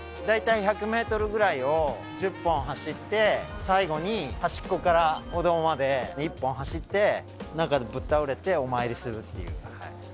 だいたい１００ｍぐらいを１０本走って最後に端っこから歩道まで１本走って中でぶっ倒れてお参りするっていう。